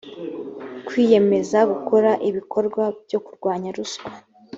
kwiyemeza gukora ibikorwa byo kurwanya ruswa